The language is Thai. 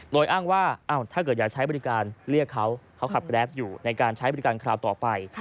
โดยอ้างว่าถ้าเกิดอยากใช้บริการเรียกเขาเขาขับแกรปอยู่ในการใช้บริการคราวต่อไป